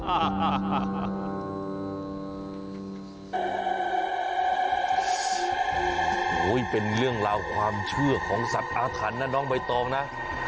โอ้โหเป็นเรื่องราวความเชื่อของสัตว์อาถรรพ์นะน้องใบตองนะ